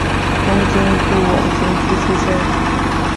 东京都文京区出身。